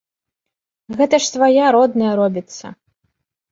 Гэта ж свая родная робіцца.